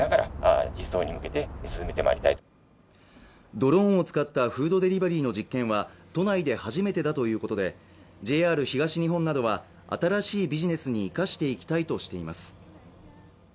ドローンを使ったフードデリバリーの実験は都内で初めてだということでＪＲ東日本などは新しいビジネスに生かしていきたいとしています